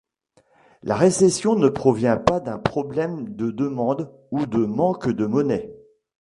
La récession ne provient pas d'un problème de demande ou de manque de monnaie.